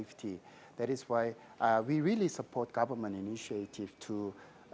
itulah sebabnya kami benar benar mendukung inisiatif pemerintah